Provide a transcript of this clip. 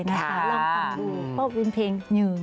แล้วเขามีเพลง